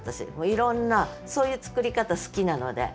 いろんなそういう作り方好きなので。